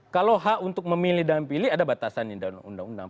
kalau hak untuk memilih dan pilih ada batasan di dalam undang undang